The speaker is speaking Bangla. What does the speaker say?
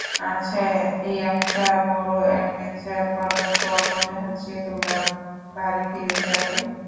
আচ্ছা, একটা বড় অ্যাডভেঞ্চার করার পর, মনে হচ্ছে তোমরা বাড়ি ফিরে যাবে।